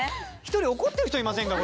１人怒ってる人いませんか